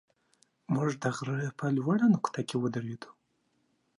موږ د غره په لوړه نقطه کې ودرېدو.